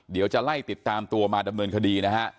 เดี๋ยวจะไล่ติดตามตัวมาดำเนินคดีนะฮะ